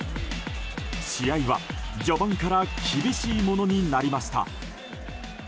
試合は序盤から厳しいものになりました。